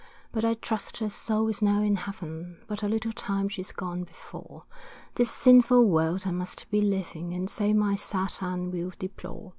But I trust her soul is now in heaven, But a little time she's gone before, This sinful world I must be leaving, And so my sad end will deplore.